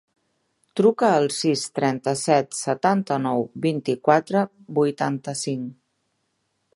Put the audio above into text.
Truca al sis, trenta-set, setanta-nou, vint-i-quatre, vuitanta-cinc.